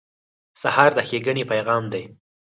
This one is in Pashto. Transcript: سهار د ښېګڼې پیغام دی.